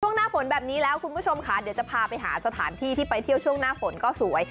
หน้าฝนแบบนี้แล้วคุณผู้ชมค่ะเดี๋ยวจะพาไปหาสถานที่ที่ไปเที่ยวช่วงหน้าฝนก็สวย